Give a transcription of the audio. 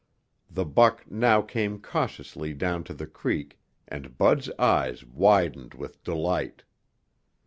The buck now came cautiously down to the creek and Bud's eyes widened with delight.